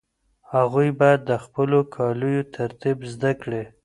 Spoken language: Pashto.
هغوی باید د خپلو کاليو ترتیب زده کړي.